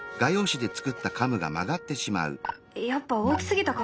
やっぱ大きすぎたかな？